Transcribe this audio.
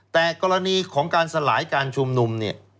แต่กรณีของการสลายการชุมหนุ่ม